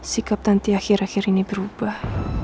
sikap tanti akhir akhir ini berubah